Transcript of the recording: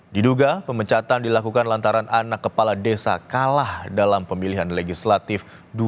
diduga pemecatan dilakukan lantaran anak kepala desa kalah dalam pemilihan legislatif dua ribu sembilan belas